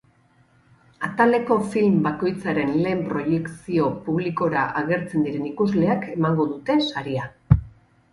Ataleko film bakoitzaren lehen proiekzio publikora agertzen diren ikusleek emango dute saria.